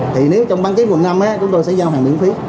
thì nếu trong bán kết quần năm chúng tôi sẽ giao hàng miễn phí